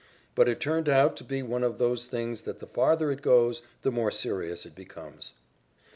But it turned out to be one of those things that the farther it goes the more serious it becomes.